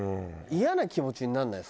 イヤな気持ちにならない？